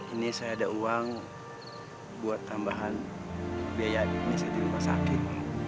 ini saya ada uang buat tambahan biaya administ di rumah sakit